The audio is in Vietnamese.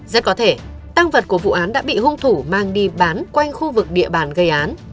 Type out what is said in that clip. rất có thể tăng vật của vụ án đã bị hung thủ mang đi bán quanh khu vực địa bàn gây án